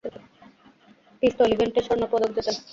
পিস্তল ইভেন্টে স্বর্ণ পদক জেতেন।